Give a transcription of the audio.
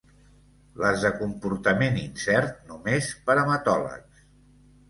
Les de comportament incert només per hematòlegs.